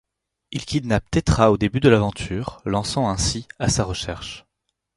Il kidnappe Tetra au début de l'aventure, lançant ainsi à sa recherche.